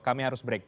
kami harus break